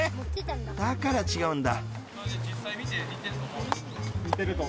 ［だから違うんだ］